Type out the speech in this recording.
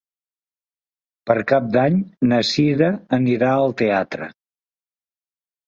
Per Cap d'Any na Sira anirà al teatre.